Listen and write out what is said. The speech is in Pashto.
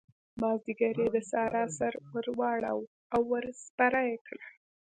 مازديګر يې د سارا سر ور واړاوو او ور سپره يې کړه.